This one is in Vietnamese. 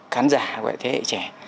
khán giả của thế hệ trẻ